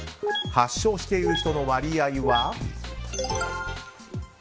発症している人の割合は？